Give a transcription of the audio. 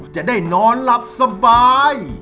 จะได้นอนหลับสบาย